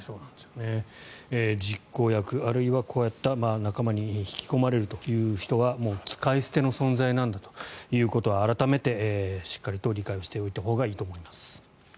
実行役、あるいはこうやって仲間に引き込まれるという人はもう、使い捨ての存在なんだということを改めてしっかり理解しておいたほうがいいと思います。